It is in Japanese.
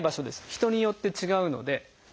人によって違うので。